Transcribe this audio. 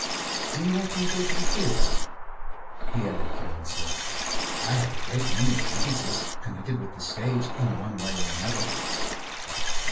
'Do you often go to the theatre?' he added carelessly. 'I have a great many acquaintances connected with the stage in one way or another.